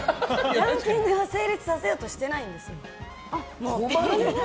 ランキングを成立させようとしてないんです。